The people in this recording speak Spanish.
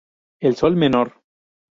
El Sol menor.